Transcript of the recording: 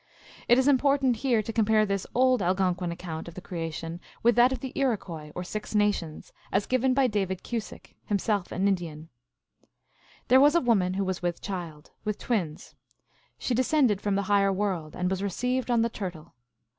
1 It is important here to compare this old Algonquin account of the Creation with that of the Iroquois, or Six Nations, as given by David Cusick, himself an Indian :" There was a woman who was with child, with twins. She descended from the higher world, and was received on the turtle.